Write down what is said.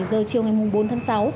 một mươi bảy h chiều ngày bốn tháng sáu